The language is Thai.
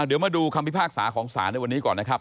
เดี๋ยวมาดูคำพิพากษาของศาลในวันนี้ก่อนนะครับ